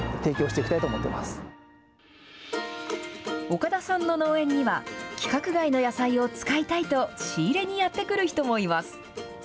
岡田さんの農園には、規格外の野菜を使いたいと、仕入れにやって来る人もいます。